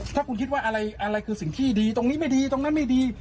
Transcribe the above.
ถ้าคุณคิดว่าอะไรคือสิ่งที่ดีตรงนี้ไม่ดีตรงนั้นไม่ดี